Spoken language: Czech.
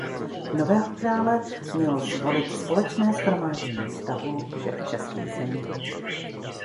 Nového krále mělo zvolit společné shromáždění stavů všech českých zemí.